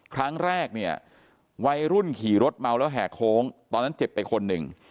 ครั้งแรกเนี่ยวัยรุ่นขี่รถเมาแล้วแห่โค้งตอนนั้นเจ็บไปคนหนึ่ง